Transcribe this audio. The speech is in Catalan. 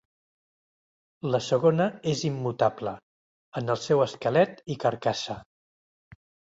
La segona és immutable, en el seu esquelet i carcassa.